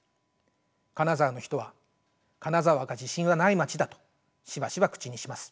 金沢の人は「金沢は地震がない街だ」としばしば口にします。